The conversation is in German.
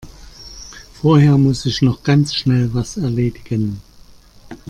Vorher muss ich noch ganz schnell was erledigen.